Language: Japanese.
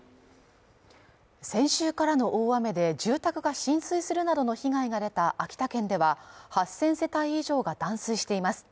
先週からの大雨で住宅が浸水するなどの被害が出た秋田県では８０００世帯以上が断水しています。